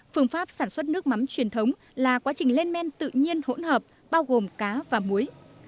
phương pháp sản xuất nước mắm truyền thống là quá trình lên men tự nhiên hỗn hợp bao gồm cá và muối